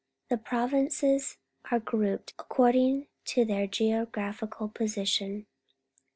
The provinces are giouped according to their geographical position.